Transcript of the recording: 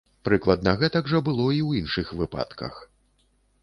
Прыкладна гэтак жа было і ў іншых выпадках.